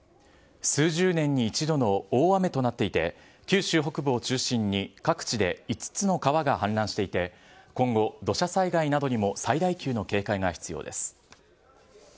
数十年に一度の大雨となっていて、九州北部を中心に各地で５つの川が氾濫していて、今後、土砂災害などにも最大級の警戒が必要です。